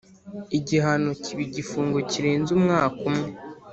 igihano kiba igifungo kirenze umwaka umwe